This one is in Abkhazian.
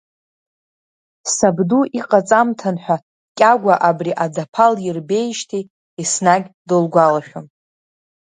Сабду иҟаҵамҭан ҳәа Кьагәа абри адаԥа лирбеижьҭеи, еснагь дылгәалашәон.